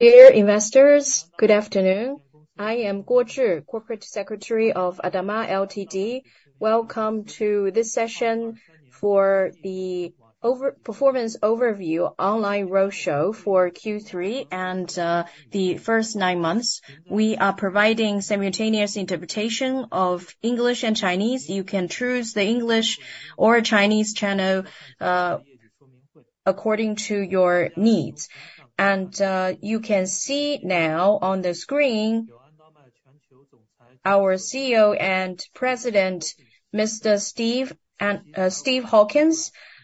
Dear investors, good afternoon. I am Guo Zhi, Corporate Secretary of ADAMA Ltd. Welcome to this session for the overall performance overview online roadshow for Q3 and the first nine months. We are providing simultaneous interpretation of English and Chinese. You can choose the English or Chinese channel according to your needs. You can see now on the screen, our CEO and President, Mr. Steve Hawkins,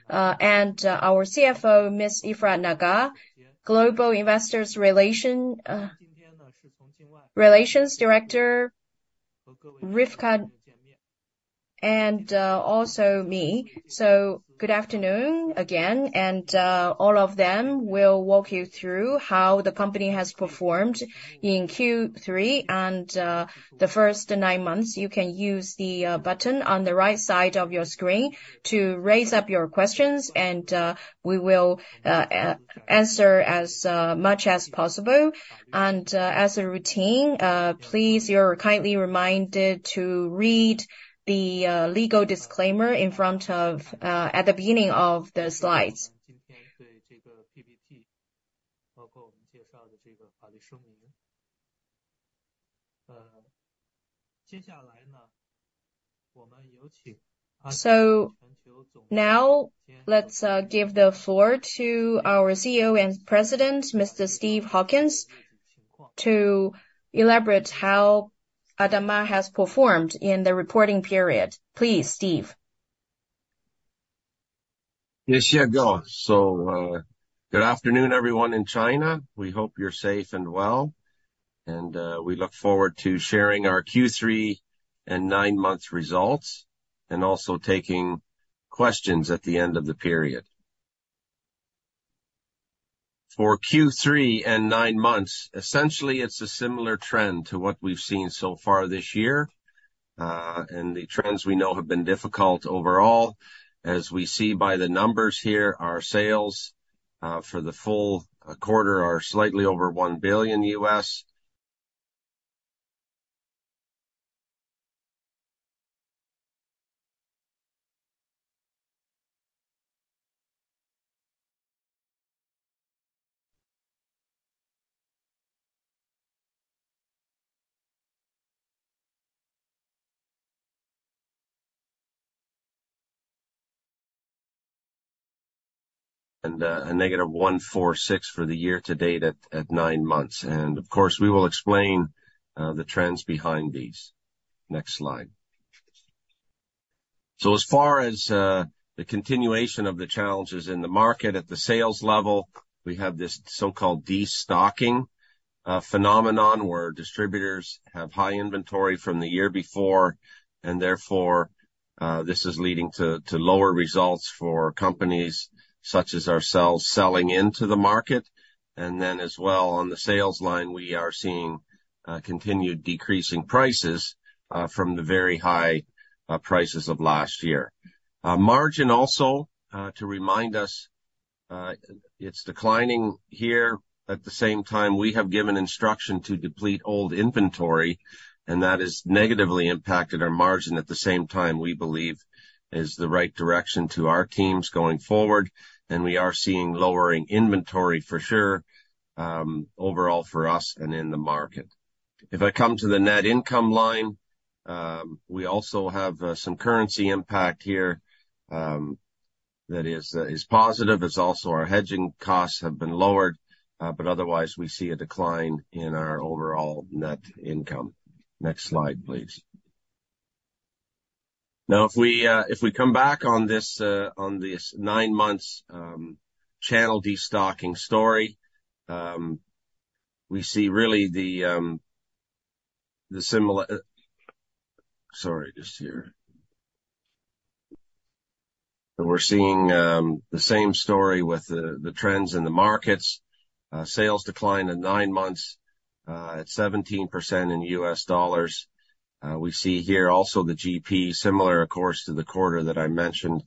and our CFO, Ms. Efrat Nagar, Global Investor Relations Director, Rivka, and also me. Good afternoon again, and all of them will walk you through how the company has performed in Q3 and the first nine months. You can use the button on the right side of your screen to raise up your questions, and we will answer as much as possible. And, as a routine, please, you're kindly reminded to read the legal disclaimer at the beginning of the slides. So now let's give the floor to our CEO and President, Mr. Steve Hawkins, to elaborate how ADAMA has performed in the reporting period. Please, Steve. Good afternoon, everyone in China. We hope you're safe and well, and we look forward to sharing our Q3 and nine months results, and also taking questions at the end of the period. For Q3 and nine months, essentially, it's a similar trend to what we've seen so far this year, and the trends we know have been difficult overall. As we see by the numbers here, our sales for the full quarter are slightly over $1 billion. A negative $146 million for the year to date at nine months. Of course, we will explain the trends behind these. Next slide. So as far as the continuation of the challenges in the market at the sales level, we have this so-called destocking phenomenon, where distributors have high inventory from the year before, and therefore this is leading to lower results for companies such as ourselves selling into the market. And then as well, on the sales line, we are seeing continued decreasing prices from the very high prices of last year. Margin also, to remind us, it's declining here. At the same time, we have given instruction to deplete old inventory, and that has negatively impacted our margin. At the same time, we believe is the right direction to our teams going forward, and we are seeing lowering inventory for sure, overall for us and in the market. If I come to the net income line, we also have some currency impact here, that is positive. It's also our hedging costs have been lowered, but otherwise, we see a decline in our overall net income. Next slide, please. Now, if we come back on this nine months channel destocking story, we see really the similar. Sorry, just here. We're seeing the same story with the trends in the markets. Sales declined in nine months at 17% in U.S. dollars. We see here also the GP, similar, of course, to the quarter that I mentioned,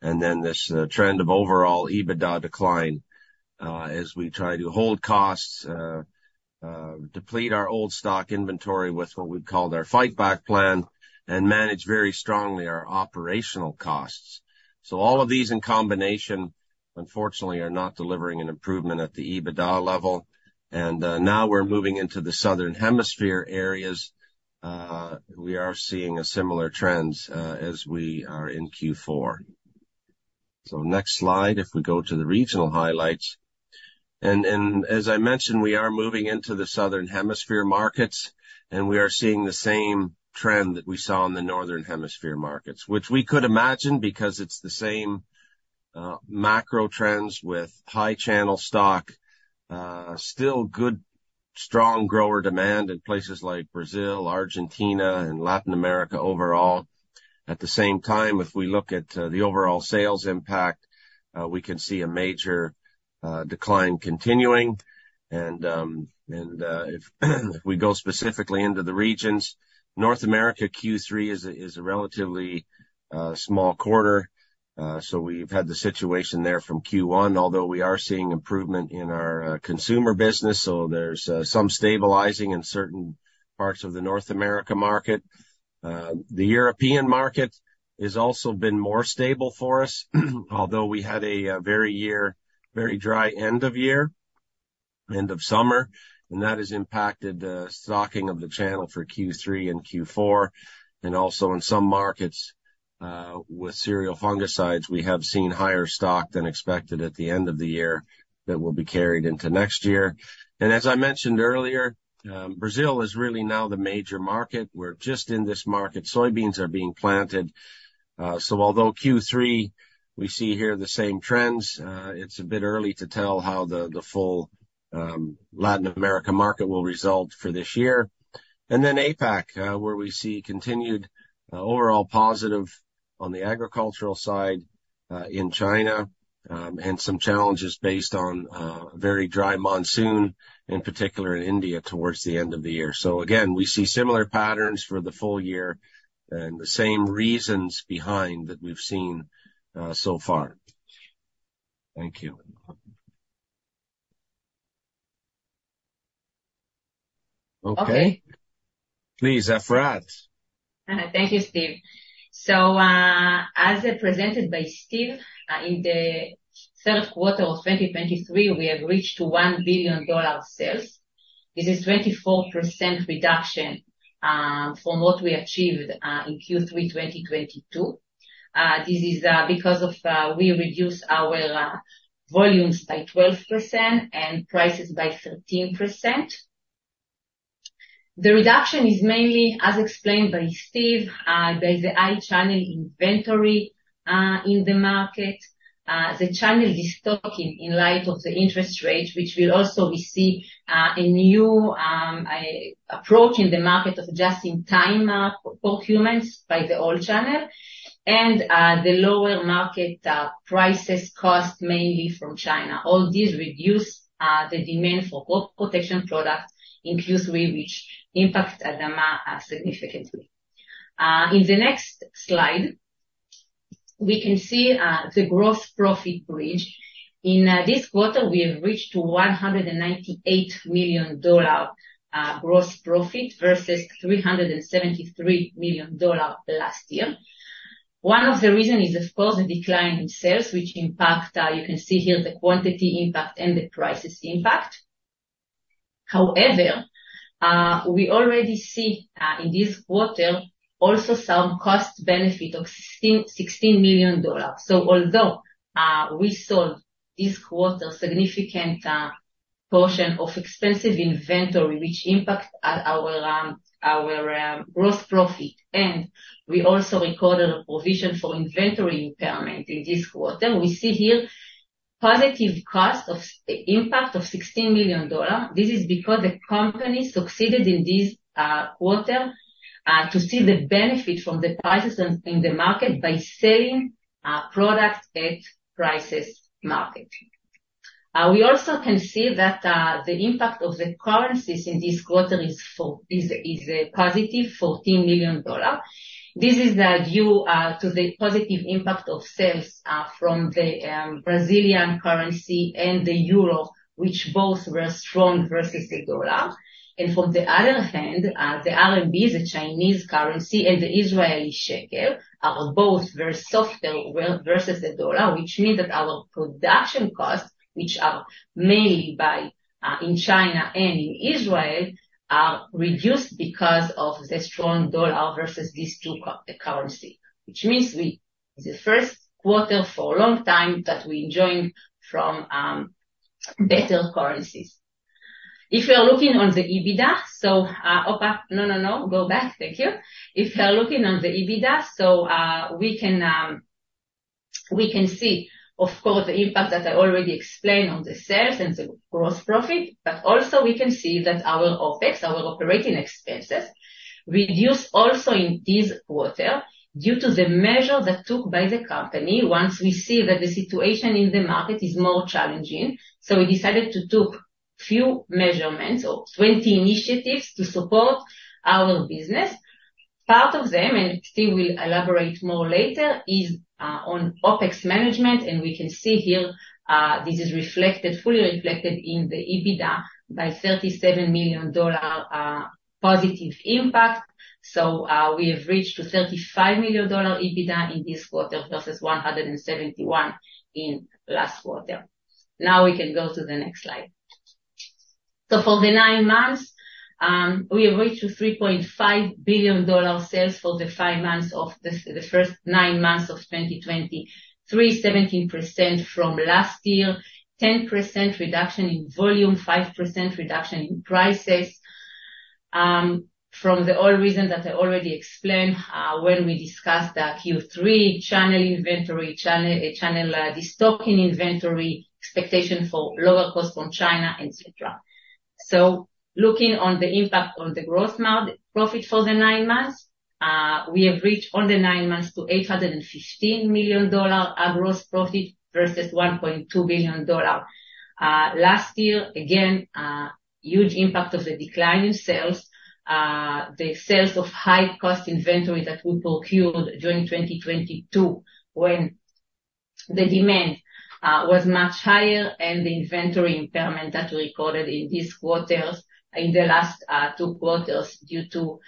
and then this, trend of overall EBITDA decline, as we try to hold costs, deplete our old stock inventory with what we'd call our Fightback plan and manage very strongly our operational costs. So all of these in combination, unfortunately, are not delivering an improvement at the EBITDA level. And, now we're moving into the Southern Hemisphere areas. We are seeing a similar trends, as we are in Q4. So next slide, if we go to the regional highlights. As I mentioned, we are moving into the Southern Hemisphere markets, and we are seeing the same trend that we saw in the Northern Hemisphere markets, which we could imagine because it's the same macro trends with high channel stock, still good, strong grower demand in places like Brazil, Argentina, and Latin America overall. At the same time, if we look at the overall sales impact, we can see a major decline continuing. If we go specifically into the regions, North America, Q3 is a relatively small quarter. So we've had the situation there from Q1, although we are seeing improvement in our consumer business, so there's some stabilizing in certain parts of the North America market. The European market has also been more stable for us, although we had a very year, very dry end of year, end of summer, and that has impacted destocking of the channel for Q3 and Q4. Also in some markets with cereal fungicides, we have seen higher stock than expected at the end of the year, that will be carried into next year. As I mentioned earlier, Brazil is really now the major market. We're just in this market. Soybeans are being planted. So although Q3, we see here the same trends, it's a bit early to tell how the full Latin America market will result for this year. And then APAC, where we see continued, overall positive on the agricultural side, in China, and some challenges based on, very dry monsoon, in particular in India, towards the end of the year. So again, we see similar patterns for the full year and the same reasons behind that we've seen, so far. Thank you. Okay. Please, Efrat. Thank you, Steve. So, as presented by Steve, in the third quarter of 2023, we have reached $1 billion sales. This is 24% reduction, from what we achieved, in Q3 2022. This is, because of, we reduced our, volumes by 12% and prices by 13%. The reduction is mainly, as explained by Steve, by the high channel inventory, in the market. The channel is destocking in light of the interest rate, which will also we see, a new, approach in the market of just-in-time, procurements by the old channel, and, the lower market, prices cost, mainly from China. All these reduce, the demand for crop protection products, in Q3, which impact ADAMA, significantly. In the next slide, we can see the gross profit bridge. In this quarter, we have reached $198 million gross profit, versus $373 million last year. One of the reason is, of course, the decline in sales, which impact you can see here, the quantity impact and the prices impact. However, we already see in this quarter, also some cost benefit of $16 million. So although we sold this quarter significant portion of expensive inventory, which impact at our our gross profit, and we also recorded a provision for inventory impairment in this quarter. We see here positive cost of impact of $16 million. This is because the company succeeded in this quarter to see the benefit from the prices in the market by selling products at market prices. We also can see that the impact of the currencies in this quarter is a positive $14 million. This is due to the positive impact of sales from the Brazilian currency and the euro, which both were strong versus the dollar. And from the other hand, the RMB, the Chinese currency, and the Israeli shekel, are both very soft as well versus the dollar, which means that our production costs, which are mainly in China and in Israel, are reduced because of the strong dollar versus these two currency. Which means we the first quarter for a long time that we enjoying from better currencies. If you are looking on the EBITDA, so we can, we can see, of course, the impact that I already explained on the sales and the gross profit. But also we can see that our OpEx, our operating expenses, reduce also in this quarter due to the measure that took by the company, once we see that the situation in the market is more challenging. So we decided to took few measurements or 20 initiatives to support our business. Part of them, and Steve will elaborate more later, is on OpEx management, and we can see here, this is reflected, fully reflected in the EBITDA by $37 million positive impact. So, we have reached $35 million EBITDA in this quarter, versus $171 million in last quarter. Now, we can go to the next slide. For the nine months, we have reached $3.5 billion sales for the first nine months of 2023, 17% from last year, 10% reduction in volume, 5% reduction in prices, from all the reasons that I already explained, when we discussed the Q3, channel inventory, channel, channel, destocking inventory, expectation for lower cost from China, et cetera. Looking on the impact on the gross profit for the nine months, we have reached on the nine months to $815 million gross profit, versus $1.2 billion, last year. Again, huge impact of the decline in sales, the sales of high cost inventory that we procured during 2022, when the demand was much higher, and the inventory impairment that we recorded in these quarters, in the last two quarters, due to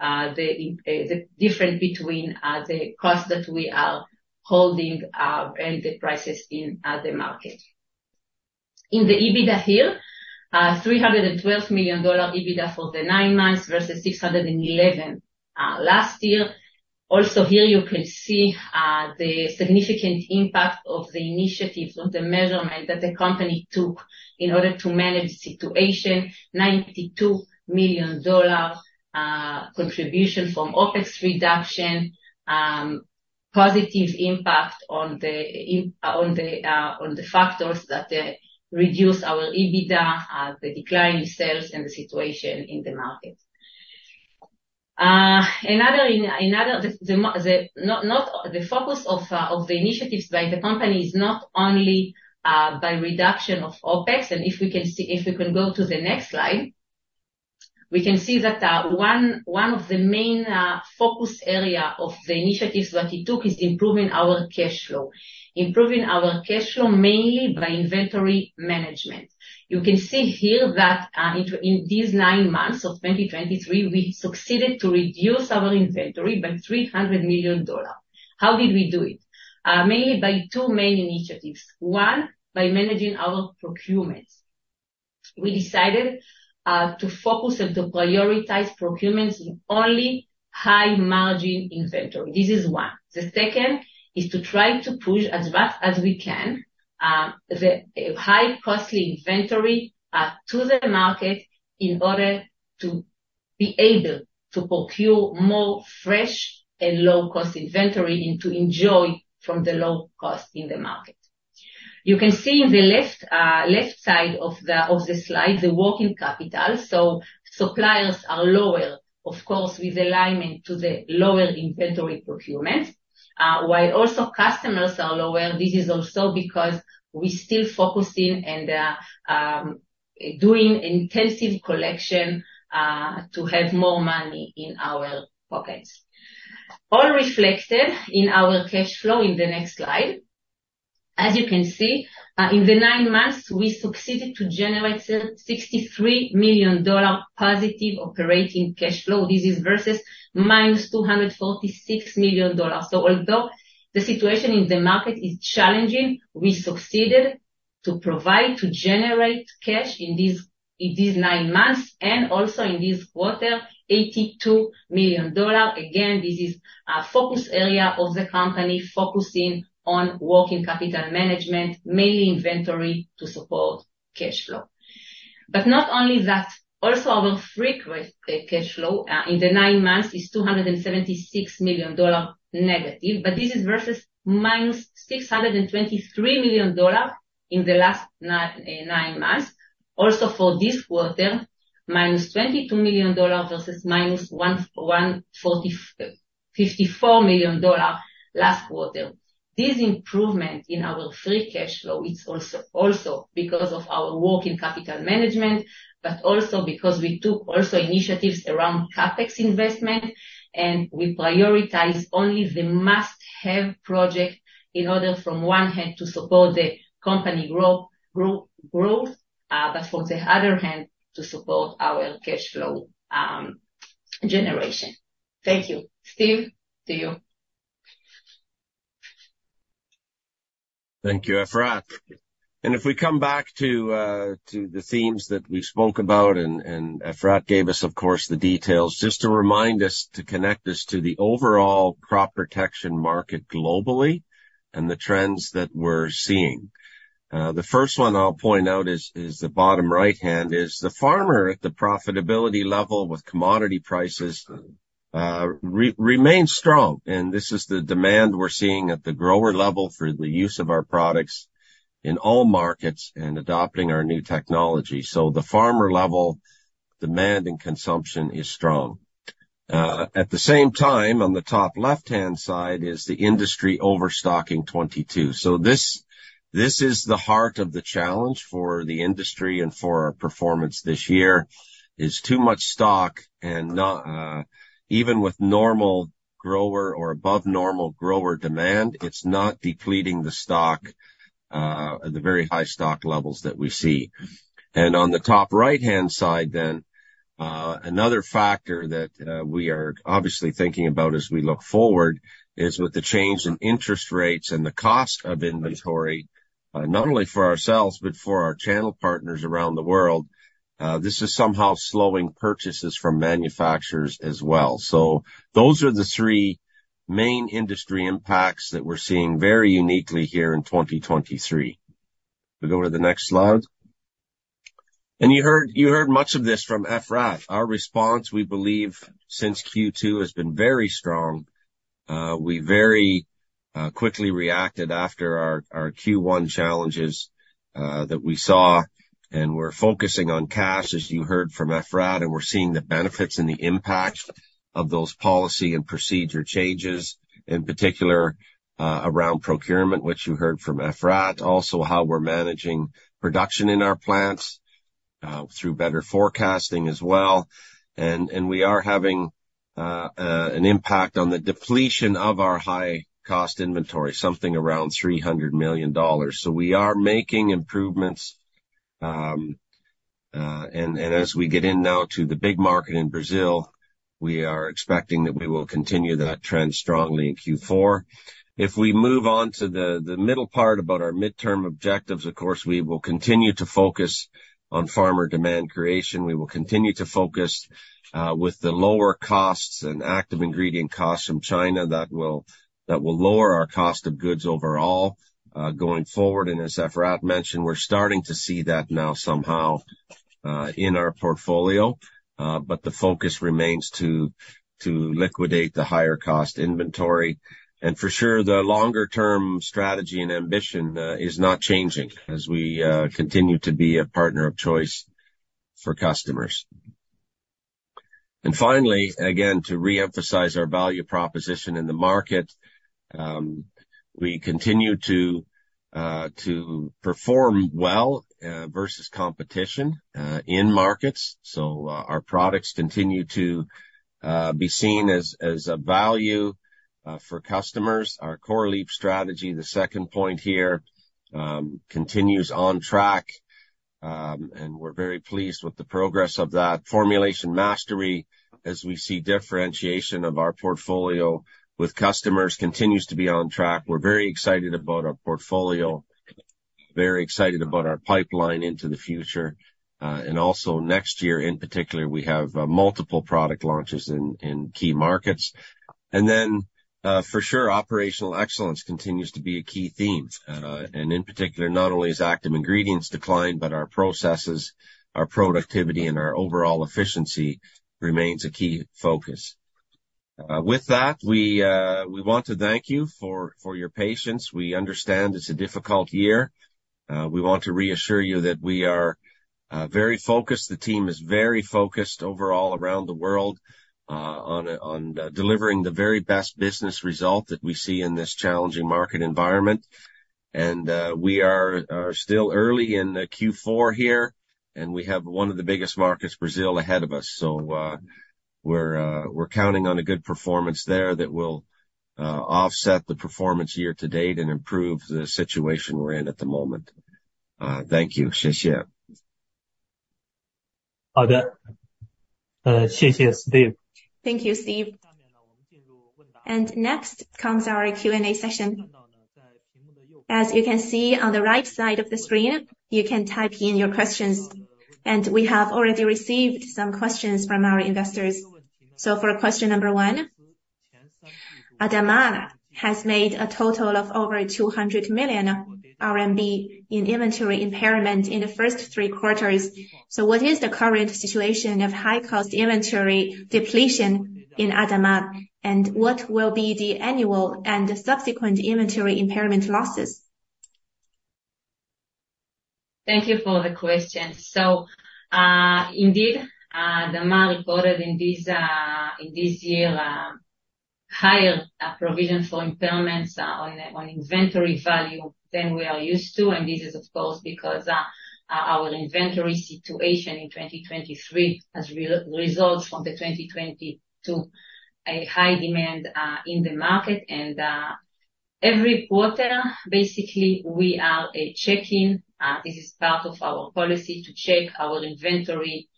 the difference between the cost that we are holding and the prices in the market. In the EBITDA here, $312 million EBITDA for the nine months, versus $611 million last year. Also here you can see the significant impact of the initiatives, of the measurement that the company took in order to manage the situation. $92 million contribution from OpEx reduction, positive impact on the factors that reduce our EBITDA, the decline in sales and the situation in the market. Another, the focus of the initiatives by the company is not only by reduction of OpEx. If we can see. If we can go to the next slide. We can see that, one of the main focus area of the initiatives that we took is improving our cash flow. Improving our cash flow, mainly by inventory management. You can see here that, in these nine months of 2023, we succeeded to reduce our inventory by $300 million. How did we do it? Mainly by two main initiatives. One, by managing our procurements. We decided to focus and to prioritize procurements in only high margin inventory. This is one. The second is to try to push as fast as we can the high costly inventory to the market, in order to be able to procure more fresh and low-cost inventory, and to enjoy from the low cost in the market. You can see in the left, left side of the slide, the working capital. So suppliers are lower, of course, with alignment to the lower inventory procurement, while also customers are lower. This is also because we're still focusing and doing intensive collection to have more money in our pockets. All reflected in our cash flow in the next slide. As you can see, in the nine months, we succeeded to generate $63 million positive operating cash flow. This is versus -$246 million. So although the situation in the market is challenging, we succeeded to provide, to generate cash in these, in these nine months, and also in this quarter, $82 million. Again, this is a focus area of the company, focusing on working capital management, mainly inventory, to support cash flow. But not only that, also our free cash flow in the nine months is negative $276 million, but this is versus -$623 million in the last nine months. Also, for this quarter, -$22 million versus -$154 million, last quarter. This improvement in our free cash flow is also because of our working capital management, but also because we took initiatives around CapEx investment, and we prioritize only the must-have project, in order, from one hand, to support the company growth, but for the other hand, to support our cash flow generation. Thank you. Steve, to you. Thank you, Efrat. If we come back to the themes that we spoke about, and Efrat gave us, of course, the details. Just to remind us, to connect us to the overall crop protection market globally and the trends that we're seeing. The first one I'll point out is the bottom right-hand, the farmer at the profitability level with commodity prices remains strong, and this is the demand we're seeing at the grower level for the use of our products in all markets and adopting our new technology. So the farmer level demand and consumption is strong. At the same time, on the top left-hand side, is the industry overstocking 2022. So this is the heart of the challenge for the industry and for our performance this year, is too much stock and not... Even with normal grower or above normal grower demand, it's not depleting the stock, the very high stock levels that we see. On the top right-hand side then, another factor that we are obviously thinking about as we look forward, is with the change in interest rates and the cost of inventory, not only for ourselves, but for our channel partners around the world, this is somehow slowing purchases from manufacturers as well. Those are the three main industry impacts that we're seeing very uniquely here in 2023. We go to the next slide. You heard, you heard much of this from Efrat. Our response, we believe, since Q2, has been very strong. We very quickly reacted after our Q1 challenges that we saw, and we're focusing on cash, as you heard from Efrat, and we're seeing the benefits and the impact of those policy and procedure changes, in particular, around procurement, which you heard from Efrat. Also, how we're managing production in our plants through better forecasting as well. We are having an impact on the depletion of our high cost inventory, something around $300 million. So we are making improvements. As we get in now to the big market in Brazil, we are expecting that we will continue that trend strongly in Q4. If we move on to the middle part about our midterm objectives, of course, we will continue to focus on farmer demand creation. We will continue to focus with the lower costs and active ingredient costs from China that will lower our cost of goods overall going forward. As Efrat mentioned, we're starting to see that now somehow in our portfolio, but the focus remains to liquidate the higher cost inventory. For sure, the longer-term strategy and ambition is not changing as we continue to be a partner of choice for customers. Finally, again, to reemphasize our value proposition in the market, we continue to perform well versus competition in markets. So our products continue to be seen as a value for customers. Our Core Leap strategy, the second point here, continues on track, and we're very pleased with the progress of that. Formulation Mastery, as we see differentiation of our portfolio with customers, continues to be on track. We're very excited about our portfolio, very excited about our pipeline into the future. And also next year, in particular, we have multiple product launches in key markets. And then, for sure, operational excellence continues to be a key theme. And in particular, not only is active ingredients declined, but our processes, our productivity, and our overall efficiency remains a key focus. With that, we want to thank you for your patience. We understand it's a difficult year. We want to reassure you that we are very focused. The team is very focused overall around the world on delivering the very best business result that we see in this challenging market environment. We are still early in the Q4 here, and we have one of the biggest markets, Brazil, ahead of us. So, we're counting on a good performance there that will offset the performance year to date and improve the situation we're in at the moment. Thank you. Xiexie. Hao de. Xiexie, Steve. Thank you, Steve. Next comes our Q&A session. As you can see on the right side of the screen, you can type in your questions, and we have already received some questions from our investors. For question number one, ADAMA has made a total of over 200 million RMB in inventory impairment in the first three quarters. What is the current situation of high-cost inventory depletion in ADAMA? And what will be the annual and the subsequent inventory impairment losses? Thank you for the question. So, indeed, ADAMA reported in this year higher provision for impairments on inventory value than we are used to. And this is, of course, because our inventory situation in 2023 as results from the 2022, a high demand in the market. And every quarter, basically, we are checking. This is part of our policy, to check our inventory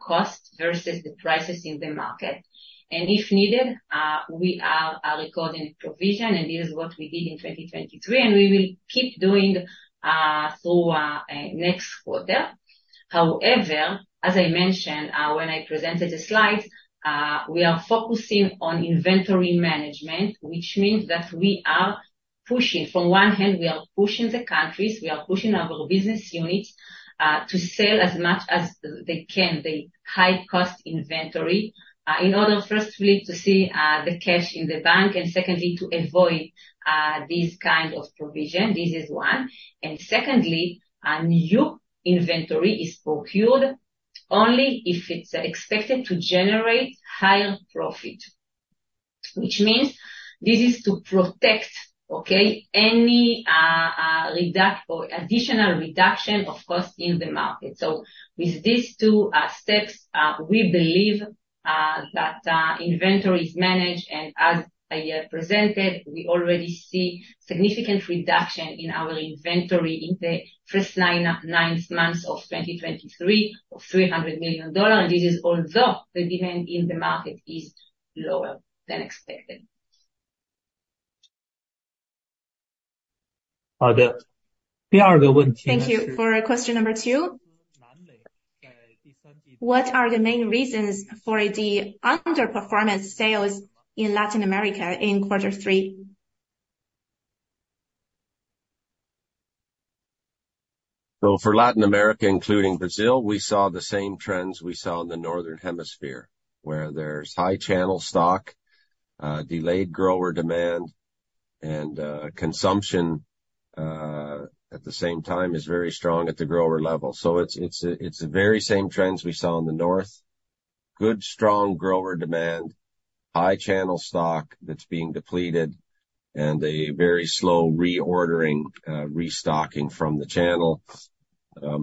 costs versus the prices in the market. And if needed, we are recording provision, and this is what we did in 2023, and we will keep doing through next quarter. However, as I mentioned, when I presented the slides, we are focusing on inventory management, which means that we are pushing. On one hand we are pushing the countries, we are pushing our business units to sell as much as they can, the high-cost inventory in order, firstly to see the cash in the bank, and secondly to avoid this kind of provision. This is one. And secondly, a new inventory is procured only if it's expected to generate higher profit, which means this is to protect, okay, any, or additional reduction of cost in the market. So with these two steps, we believe that inventory is managed, and as I presented, we already see significant reduction in our inventory in the first nine months of 2023, of $300 million. And this is although the demand in the market is lower than expected. Hao de. Thank you. For question number two, what are the main reasons for the underperformance sales in Latin America in quarter three? So for Latin America, including Brazil, we saw the same trends we saw in the Northern Hemisphere, where there's high channel stock, delayed grower demand, and consumption at the same time is very strong at the grower level. So it's, it's a, it's the very same trends we saw in the north. Good, strong grower demand, high channel stock that's being depleted, and a very slow reordering, restocking from the channel.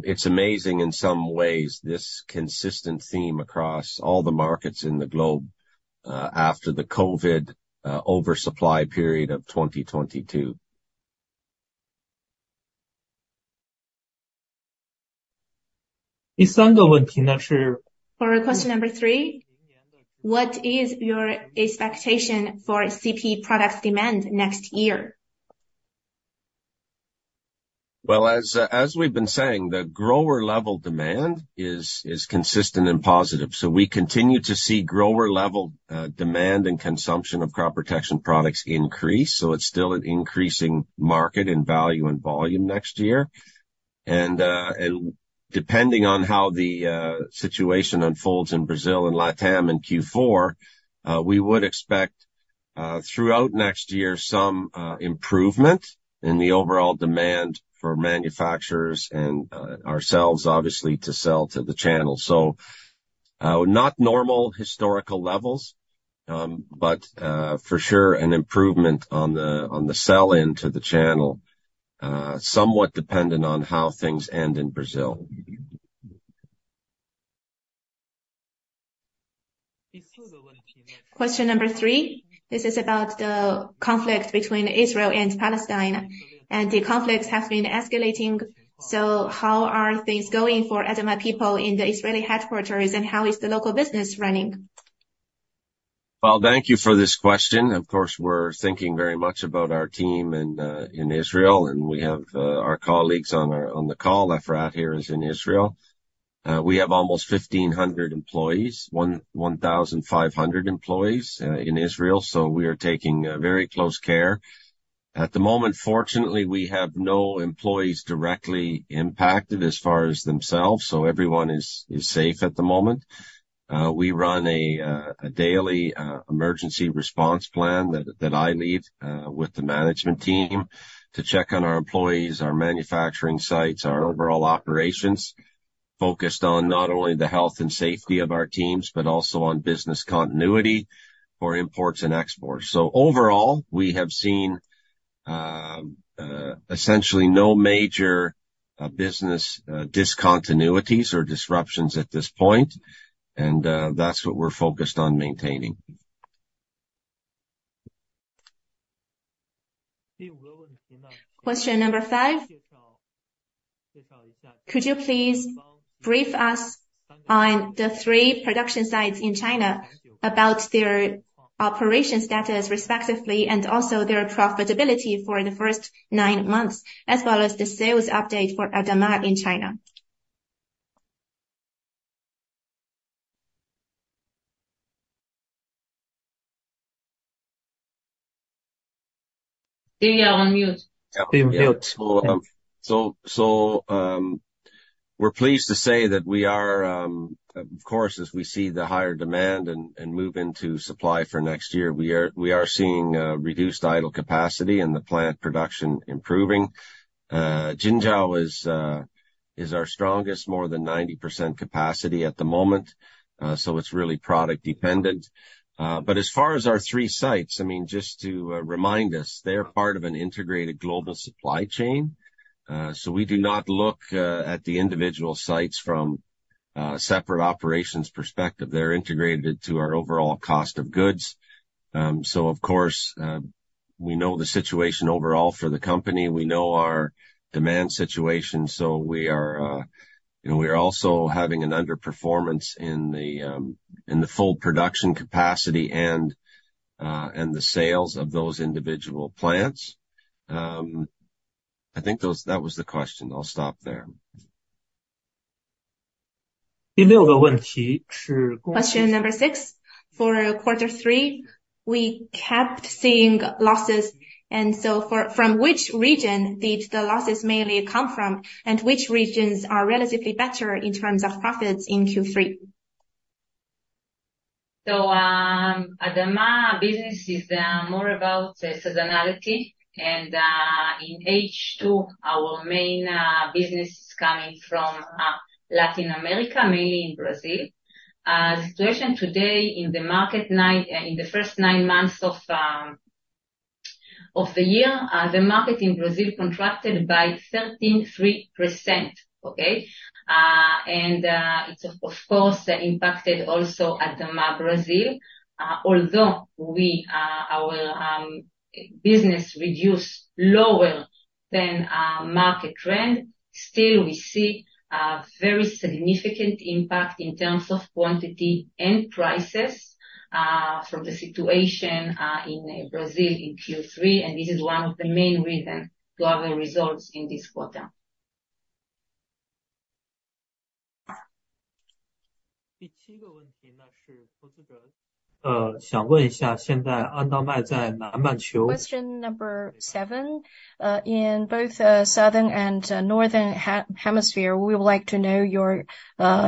It's amazing in some ways, this consistent theme across all the markets in the globe, after the COVID oversupply period of 2022. For question number three. What is your expectation for CP products demand next year? Well, as we've been saying, the grower level demand is consistent and positive. So we continue to see grower level demand and consumption of crop protection products increase. So it's still an increasing market in value and volume next year. And depending on how the situation unfolds in Brazil and LatAm in Q4, we would expect throughout next year some improvement in the overall demand for manufacturers and ourselves, obviously, to sell to the channel. So not normal historical levels, but for sure an improvement on the sell-in to the channel, somewhat dependent on how things end in Brazil. Question number three. This is about the conflict between Israel and Palestine, and the conflicts have been escalating. So how are things going for ADAMA people in the Israeli headquarters, and how is the local business running? Well, thank you for this question. Of course, we're thinking very much about our team in Israel, and we have our colleagues on the call. Efrat here is in Israel. We have almost 1,500 employees, 1,500 employees in Israel, so we are taking very close care. At the moment, fortunately, we have no employees directly impacted as far as themselves, so everyone is safe at the moment. We run a daily emergency response plan that I lead with the management team to check on our employees, our manufacturing sites, our overall operations. Focused on not only the health and safety of our teams, but also on business continuity for imports and exports. So overall, we have seen essentially no major business discontinuities or disruptions at this point, and that's what we're focused on maintaining. Question number five. Could you please brief us on the three production sites in China, about their operation status respectively, and also their profitability for the first nine months, as well as the sales update for ADAMA in China? You are on mute. So, we're pleased to say that we are, of course, as we see the higher demand and move into supply for next year, we are seeing reduced idle capacity and the plant production improving. Jingzhou is our strongest, more than 90% capacity at the moment. So it's really product dependent. But as far as our three sites, I mean, just to remind us, they're part of an integrated global supply chain. So we do not look at the individual sites from a separate operations perspective. They're integrated to our overall cost of goods. So of course, we know the situation overall for the company. We know our demand situation, so we are, you know, we are also having an underperformance in the full production capacity and the sales of those individual plants. I think that was the question. I'll stop there. Question number six. For quarter three, we kept seeing losses, and so from which region did the losses mainly come from, and which regions are relatively better in terms of profits in Q3? So, ADAMA business is more about seasonality, and in H2, our main business is coming from Latin America, mainly in Brazil. The situation today in the market in the first nine months of the year, the market in Brazil contracted by 13.3%. Okay? And it, of course, impacted also ADAMA Brazil. Although we, our business reduced lower than market trend, still we see a very significant impact in terms of quantity and prices from the situation in Brazil in Q3, and this is one of the main reason to have the results in this quarter. 第七个问题呢，是投资者，想问一下，现在安道麦在南半球- Question number seven. In both Southern and Northern Hemisphere, we would like to know your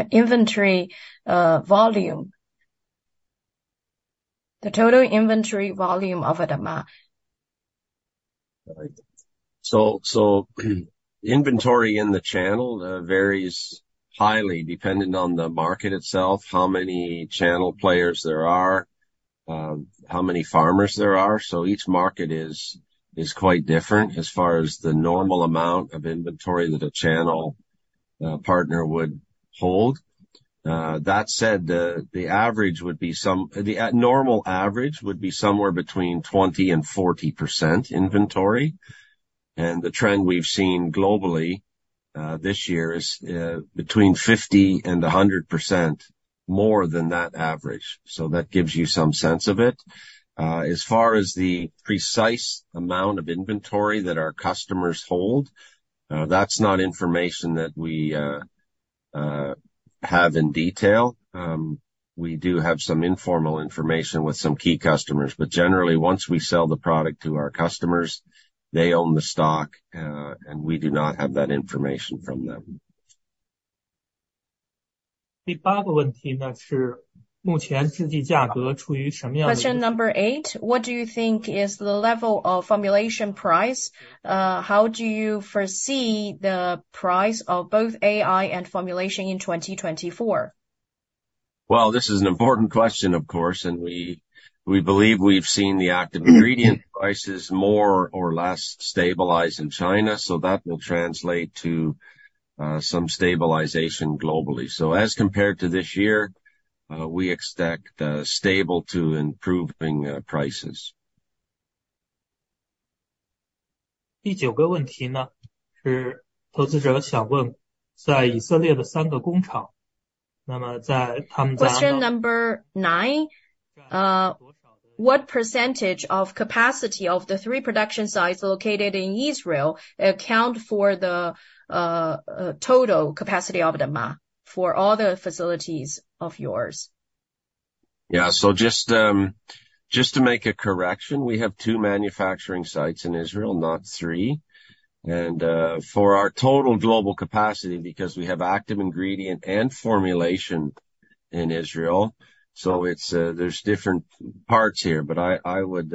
inventory volume. The total inventory volume of ADAMA. So, inventory in the channel varies highly depending on the market itself, how many channel players there are, how many farmers there are. Each market is quite different as far as the normal amount of inventory that a channel partner would hold. That said, the average would be somewhere between 20%-40% inventory. The trend we've seen globally this year is between 50%-100% more than that average. So that gives you some sense of it. As far as the precise amount of inventory that our customers hold, that's not information that we have in detail. We do have some informal information with some key customers, but generally, once we sell the product to our customers, they own the stock, and we do not have that information from them. 第八个问题呢，是目前实际价格处于什么样的- Question number eight. What do you think is the level of formulation price? How do you foresee the price of both AI and formulation in 2024? Well, this is an important question, of course, and we believe we've seen the active ingredient prices more or less stabilize in China, so that will translate to some stabilization globally. So as compared to this year, we expect stable to improving prices. 第九个问题呢，是投资者想问，在以色列的三个工厂，那么在他们家- Question number nine. What percentage of capacity of the three production sites located in Israel account for the total capacity of ADAMA, for all the facilities of yours? Yeah. So just to make a correction, we have two manufacturing sites in Israel, not three. And for our total global capacity, because we have active ingredient and formulation in Israel, so it's, there's different parts here. But I would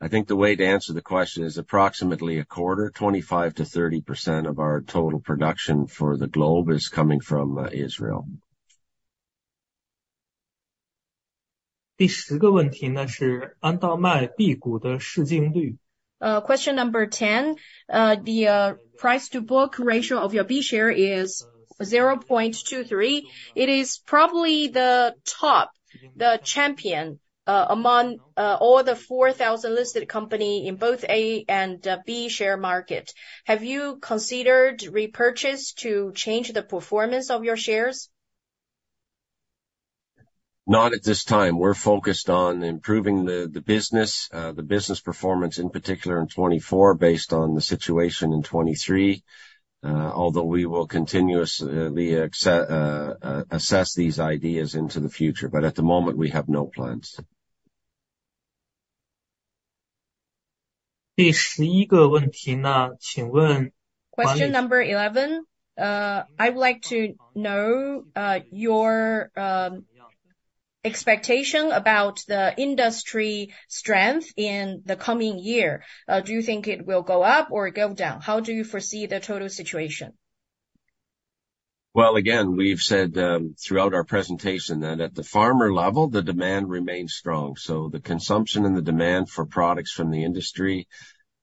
I think the way to answer the question is approximately a quarter, 25%-30% of our total production for the globe is coming from Israel. 第十个问题呢，是安道麦B股的市净率。Question number 10. The price-to-book ratio of your B-share is 0.23. It is probably the top, the champion, among all the 4,000 listed company in both A and B-share market. Have you considered repurchase to change the performance of your shares? Not at this time. We're focused on improving the business performance, in particular in 2024, based on the situation in 2023. Although we will continuously assess these ideas into the future, but at the moment, we have no plans. 第十一个问题呢，请问- Question number 11. I would like to know your expectation about the industry strength in the coming year. Do you think it will go up or go down? How do you foresee the total situation? Well, again, we've said throughout our presentation that at the farmer level, the demand remains strong. So the consumption and the demand for products from the industry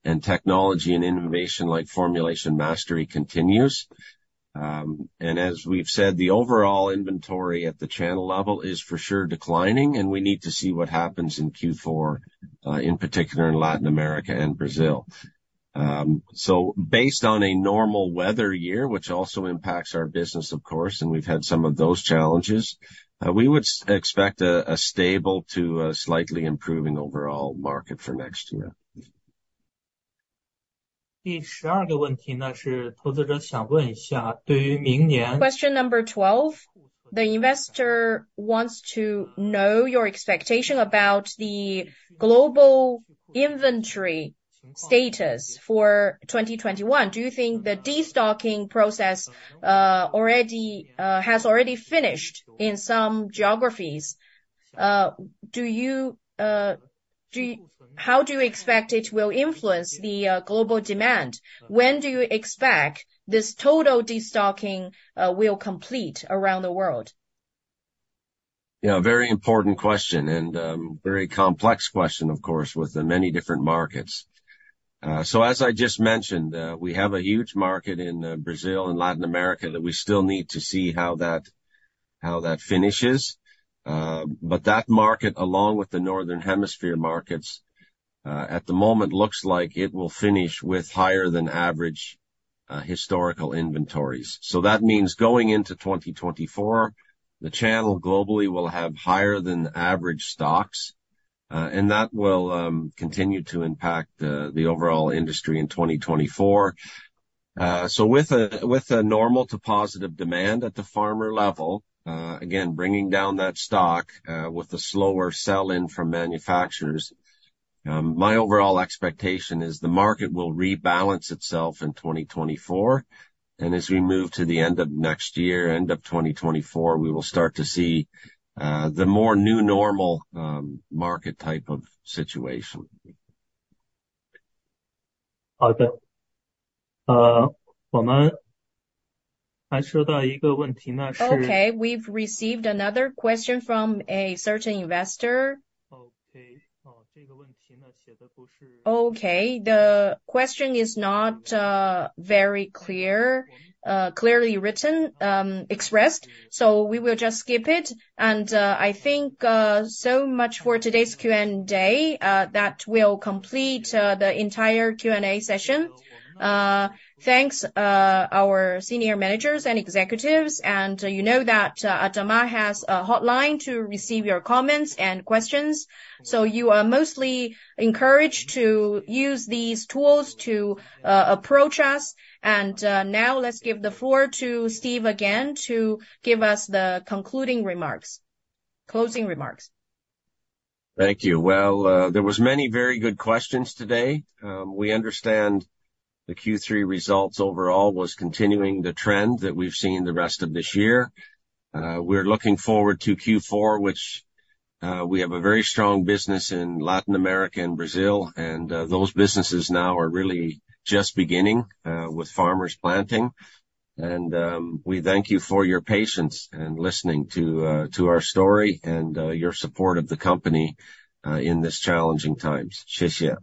and technology and innovation like Formulation Mastery continues. And as we've said, the overall inventory at the channel level is for sure declining, and we need to see what happens in Q4, in particular in Latin America and Brazil. So based on a normal weather year, which also impacts our business, of course, and we've had some of those challenges, we would expect a stable to a slightly improving overall market for next year. 第十二个问题呢，是投资者想问一下，对于明年- Question number 12. The investor wants to know your expectation about the global inventory status for 2024. Do you think the destocking process already has finished in some geographies? How do you expect it will influence the global demand? When do you expect this total destocking will complete around the world? Yeah, a very important question, and, very complex question, of course, with the many different markets. So as I just mentioned, we have a huge market in, Brazil and Latin America, that we still need to see how that finishes. But that market, along with the Northern Hemisphere markets, at the moment, looks like it will finish with higher than average, historical inventories. So that means going into 2024, the channel globally will have higher than average stocks. And that will continue to impact the overall industry in 2024. So with a normal to positive demand at the farmer level, again, bringing down that stock, with a slower sell-in from manufacturers, my overall expectation is the market will rebalance itself in 2024. As we move to the end of next year, end of 2024, we will start to see the more new normal market type of situation. Okay, we've received another question from a certain investor. Okay. The question is not very clear, clearly written, expressed, so we will just skip it. And, I think, so much for today's Q&A day, that will complete the entire Q&A session. Thanks, our senior managers and executives, and you know that, ADAMA has a hotline to receive your comments and questions. So you are mostly encouraged to use these tools to approach us. And, now let's give the floor to Steve again to give us the concluding remarks. Closing remarks. Thank you. Well, there was many very good questions today. We understand the Q3 results overall was continuing the trend that we've seen the rest of this year. We're looking forward to Q4, which, we have a very strong business in Latin America and Brazil, and, those businesses now are really just beginning, with farmers planting. And, we thank you for your patience and listening to our story and, your support of the company, in this challenging times. Xiexie.